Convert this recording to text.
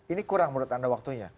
ini kurang menurut anda waktunya